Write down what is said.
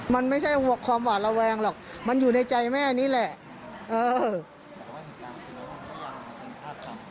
มันไม่ใช่ความหวาดระแวงหรอกมันอยู่ในใจแม่นี่แหละ